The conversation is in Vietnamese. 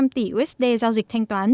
ba sáu trăm linh tỷ usd giao dịch thanh toán